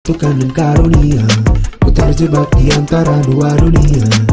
tukang dan karunia ku terjebak di antara dua dunia